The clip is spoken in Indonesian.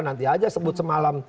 nanti saja sebut semalam